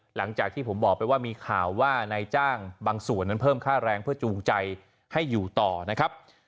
หลังจากที่ผมบอกไปว่ามีข่าวว่านายจ้างบางส่วนนั้นเพิ่มค่าแรงเพื่อจูงใจให้อยู่ต่อนะครับ